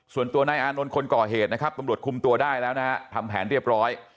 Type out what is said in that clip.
ส่วนตัวนายอานนท์คนก่อเหตุนะครับตำรวจคุมตัวได้แล้วนะฮะทำแผนเรียบร้อย